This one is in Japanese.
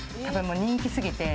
人気すぎて。